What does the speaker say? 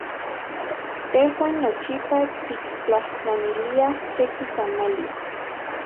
Tejuan nochipa tiktlajtlaniliaj seki tamali.